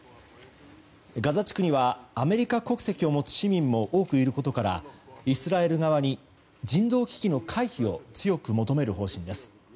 ガザ地区にはアメリカ国籍を持つ市民も多くいることからイスラエル側に人道危機の回避を強く求める方針です。